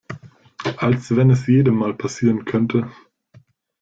Als wenn es jedem mal passieren könnte.